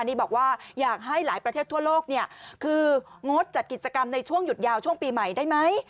นี่บอกว่าอยากให้หลายประเทศทั่วโลกคืองดจัดกิจกรรมในช่วงหยุดยาวช่วงปีใหม่ได้ไหม